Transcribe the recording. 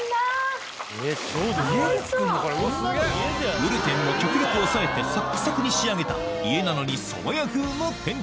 グルテンを極力抑えてサックサクに仕上げた家なのにそのうん！